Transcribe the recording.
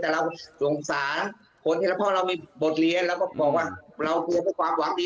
แต่เราสงสารคนที่เราพ่อมีบทเรียนเราก็บอกว่าเราเกลียดด้วยความหวังดี